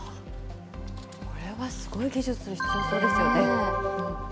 これはすごい技術必要そうですよね。